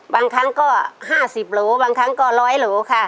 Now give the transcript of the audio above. บางครั้งก็๕๐โหลบางครั้งก็๑๐๐โหลค่ะ